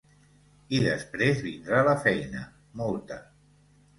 I després vindrà la feina, molta.